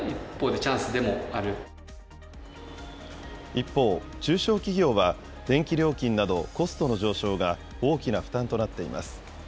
一方、中小企業は電気料金などコストの上昇が大きな負担となっています。